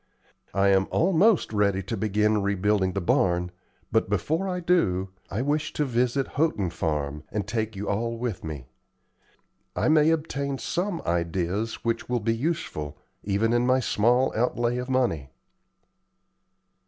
I am almost ready to begin rebuilding the barn; but before I do so, I wish to visit Houghton Farm, and shall take you all with me. I may obtain some ideas which will be useful, even in my small outlay of money."